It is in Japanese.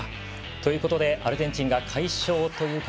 ということでアルゼンチンが快勝というか